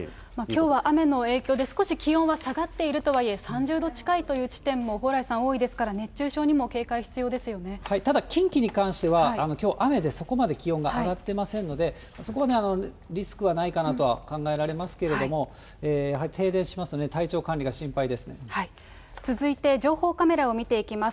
きょうは雨の影響で少し気温は下がっているとはいえ、３０度近いという地点も、蓬莱さん、多いですから、熱中症にも警戒必要ただ、近畿に関してはきょう雨で、そこまで気温が上がってませんので、そこまでリスクはないかなとは考えられますけれども、やはり停電しますとね、続いて、情報カメラを見ていきます。